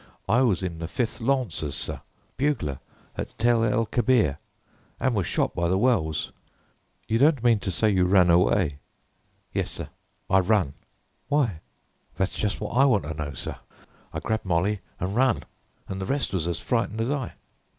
I was in the 5th Lawncers, sir, bugler at Tel el Kebir, an' was shot by the wells." "You don't mean to say you ran away?" "Yes, sir; I run." "Why?" "That's just what I want to know, sir. I grabbed Molly an' run, an' the rest was as frightened as I."